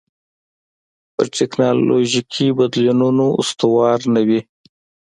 پر ټکنالوژیکي بدلونونو استواره نه وي.